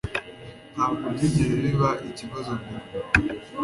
Ntabwo byigeze biba ikibazo mbere